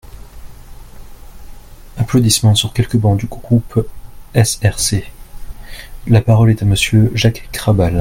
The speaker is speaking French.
(Applaudissements sur quelques bancs du groupe SRC.) La parole est à Monsieur Jacques Krabal.